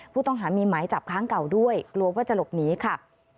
ผู้ต้องหามีหมายจับค้างเก่าด้วยกลัวว่าจะหลบหนีค่ะ